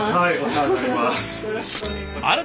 よろしくお願いします。